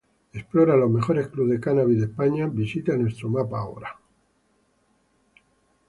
Explora los mejores clubs de cannabis de españa. Visita nuestro mapa ahora!!!